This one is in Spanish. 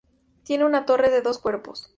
Tiene una torre de dos cuerpos.